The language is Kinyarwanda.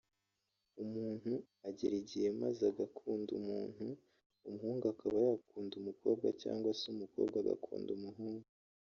umuntu agera igihe maze agakunda umuntu ; umuhungu akaba yakunda umukobwa cyangwa se umukobwa agakunda umuhungu